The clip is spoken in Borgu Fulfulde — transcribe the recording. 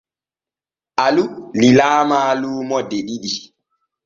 Alu lilaama luumo de ɗiɗi.